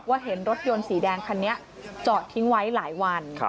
เห็นรถยนต์สีแดงคันนี้จอดทิ้งไว้หลายวัน